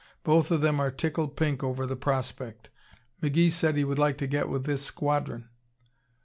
Both of them are tickled pink over the prospect. McGee said he would like to get with this squadron."